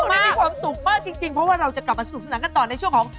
วันนี้มีความสุขมากจริงเพราะว่าเราจะกลับมาสนุกสนานกันต่อในช่วงของ